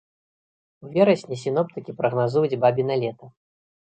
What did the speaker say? У верасні сіноптыкі прагназуюць бабіна лета.